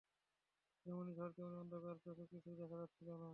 যেমনি ঝড় তেমনি অন্ধকার, চোখে কিছুই দেখা যাচ্ছিল না।